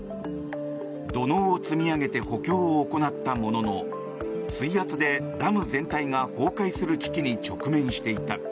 土のうを積み上げて補強を行ったものの水圧でダム全体が崩壊する危機に直面していた。